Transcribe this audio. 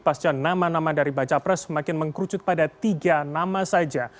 pasca nama nama dari baca pres semakin mengkrucut pada tiga nama saja